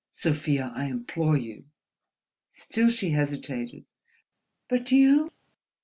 "Sofia, I implore you!" Still she hesitated. "But you—?"